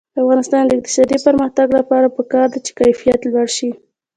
د افغانستان د اقتصادي پرمختګ لپاره پکار ده چې کیفیت لوړ شي.